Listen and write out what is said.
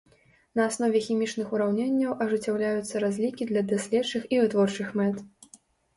На аснове хімічных ураўненняў ажыццяўляюцца разлікі для даследчых і вытворчых мэт.